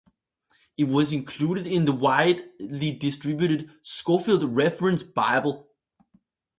It was included in the widely distributed "Scofield Reference Bible".